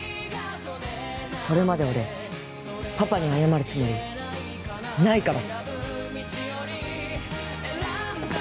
それまで俺パパに謝るつもりないから。